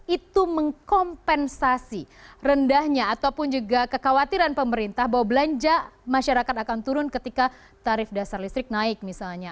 itu mengkompensasi rendahnya ataupun juga kekhawatiran pemerintah bahwa belanja masyarakat akan turun ketika tarif dasar listrik naik misalnya